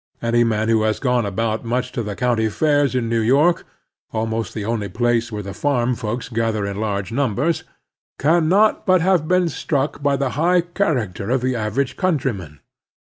Any man who has gone about much to the county fairs in New York — almost the only place where the farm folks gather in large numbers — cannot but have been struck by the high character of the average cotmtryman.